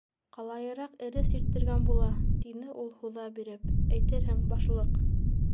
- Ҡалайыраҡ эре сирттергән була, - тине ул, һуҙа биреп, - әйтерһең, башлыҡ...